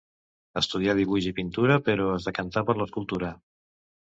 Estudià dibuix i pintura però es decantà per l'escultura.